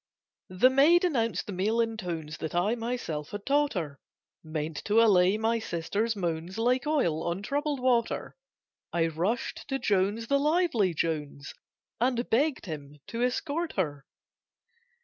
The maid announced the meal in tones That I myself had taught her, Meant to allay my sister's moans Like oil on troubled water: I rushed to Jones, the lively Jones, And begged him to escort her.